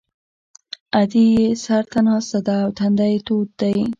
ادې یې سر ته ناسته ده او تندی یې تود دی